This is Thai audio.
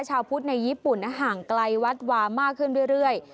ชาวพุทธในญี่ปุ่นห่างไกลวัดวามากขึ้นเรื่อย